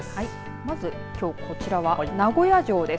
まずきょうこちらは名古屋城です。